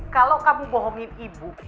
kalau kamu bohongin ibu